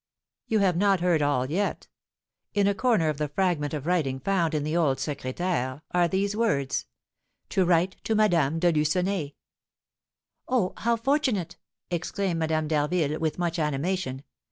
"You have not heard all yet. In a corner of the fragment of writing found in the old secrétaire, are these words, 'To write to Madame de Lucenay.'" "Oh, how fortunate!" exclaimed Madame d'Harville, with much animation.